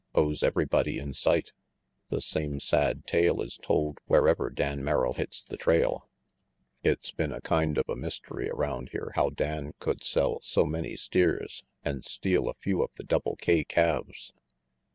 "Owes everybody in sight. The same sad tale is told wherever Dan Merrill hits the trail. It's been a kind of a mystery around here how Dan could sell so many steers and steal a few of the Double K calves, and